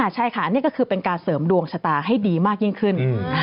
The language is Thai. ใช่ค่ะนี่ก็คือเป็นการเสริมดวงชะตาให้ดีมากยิ่งขึ้น